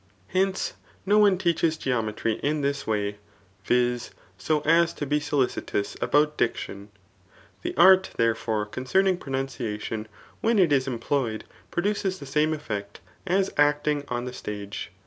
Hence, no one teaches geometry in this w^, [viz. so as to be solicitous 9bout diction*]] The art, thereforct, concerning pronun ciation, when it is employed, produces the same effect as acting on the stage.